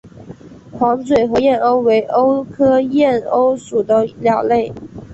黄嘴河燕鸥为鸥科燕鸥属的鸟类。